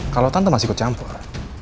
kalau tante masih ikut campur